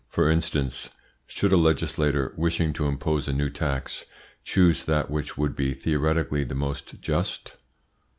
For instance, should a legislator, wishing to impose a new tax, choose that which would be theoretically the most just?